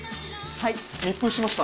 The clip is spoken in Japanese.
はい。